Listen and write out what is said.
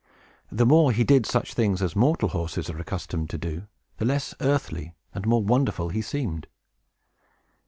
The more he did such things as mortal horses are accustomed to do, the less earthly and the more wonderful he seemed.